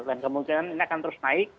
dan kemungkinan ini akan terus naik